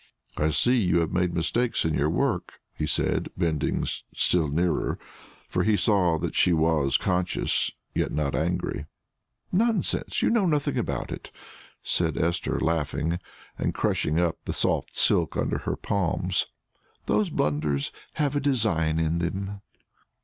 "I see you have made mistakes in your work," he said, bending still nearer, for he saw that she was conscious, yet not angry. "Nonsense! you know nothing about it," said Esther, laughing, and crushing up the soft silk under her palms. "Those blunders have a design in them."